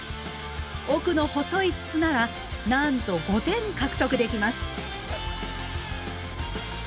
奥の細い筒ならなんと５点獲得できます。